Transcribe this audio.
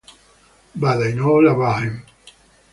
But I know all about him.